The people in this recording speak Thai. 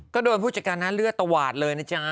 ก็โดนผู้จัดการนะเลือดตวาดเลยนะจ๊ะ